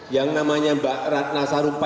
yang namanya mbak ratna sarumpait